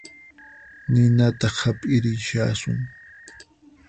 Ninata hap'irichishasun